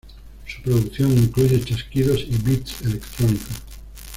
Su producción incluye chasquidos y "beats" electrónicos.